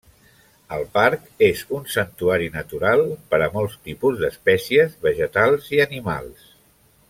El parc és un santuari natural per a molts tipus d'espècies vegetals i animals.